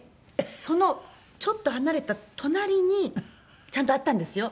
そのちょっと離れた隣にちゃんとあったんですよ